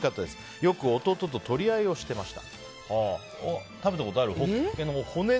よく弟と取り合いをしていました。